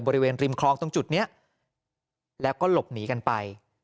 บริเวณริมคลองตรงจุดนี้แล้วก็หลบหนีกันไป